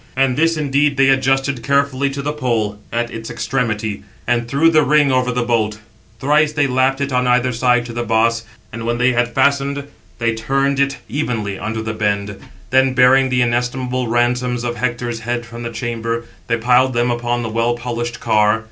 And this indeed they adjusted carefully to the pole at its extremity, and threw the ring over the bolt. Thrice they lapped it on either side to the boss; and when they had fastened, they turned it evenly under the bend; then, bearing the inestimable ransoms of Hector's head from the chamber, they piled them upon the well polished car.